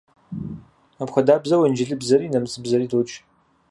Апхуэдабзэу инджылызыбзэри нэмыцэбзэри додж.